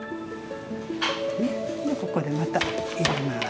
もうここでまたいれます。